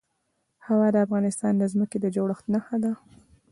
هوا د افغانستان د ځمکې د جوړښت نښه ده.